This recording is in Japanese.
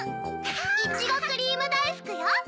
いちごクリームだいふくよ。